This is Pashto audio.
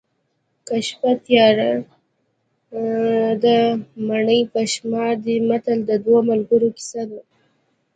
که شپه تیاره ده مڼې په شمار دي متل د دوو ملګرو کیسه ده